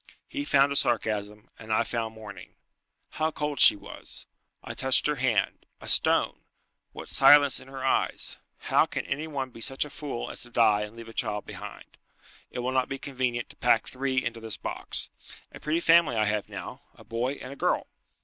He found a sarcasm, and I found mourning. How cold she was! I touched her hand a stone! What silence in her eyes! How can any one be such a fool as to die and leave a child behind? It will not be convenient to pack three into this box. A pretty family I have now! A boy and a girl!"